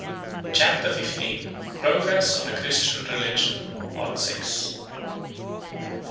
] Chapter XV: Progress Of The Christian Religion.—Part VI. V.